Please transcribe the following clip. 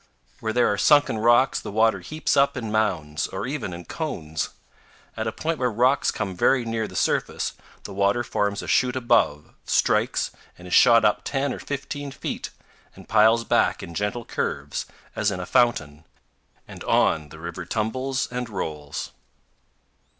Where there are sunken rocks the water heaps up in mounds, or even in cones. At a point where rocks come very near the surface, the water forms a chute above, strikes, and is shot up 10 or 15 feet, and piles back in gentle curves, as in a fountain; and on the river tumbles and rolls.